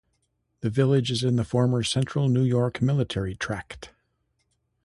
The village is in the former Central New York Military Tract.